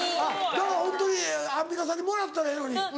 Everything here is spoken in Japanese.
だからホントにアンミカさんにもらったらええのに。